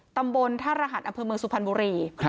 ตำบลธรรหัสอัพพิมพ์มือสุพรรณบุรี